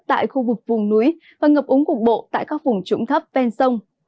tại khu vực vùng núi và ngập úng cục bộ tại các vùng trũng thấp ven sông